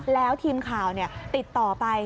แล้วทีมข่าวติดต่อไป